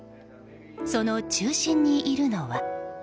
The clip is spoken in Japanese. その中心にいるのは。